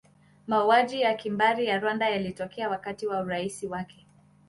Mauaji ya kimbari ya Rwanda yalitokea wakati wa urais wake.